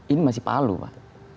ini masih palu pak